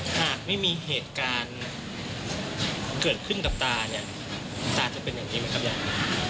หากไม่มีเหตุการณ์เกิดขึ้นกับตาเนี่ยตาจะเป็นอย่างนี้ไหมครับยาย